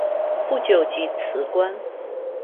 不久即辞官。